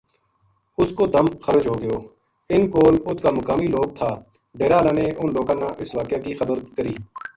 اس کو دم خرچ ہو گیو اِنھ کول اُت کا مقامی لوک تھا ڈیرا ہالاں نے اُنھ لوکاں نا اس واقعہ کی خبر کری